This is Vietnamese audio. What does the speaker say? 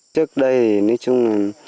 trước đây nói chung